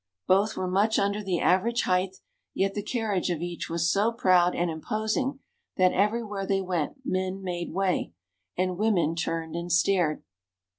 Both were much under the average height, yet the carriage of each was so proud and imposing that everywhere they went men made way, and women turned and stared.